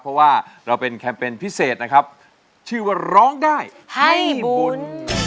เพราะว่าเราเป็นแคมเปญพิเศษนะครับชื่อว่าร้องได้ให้บุญ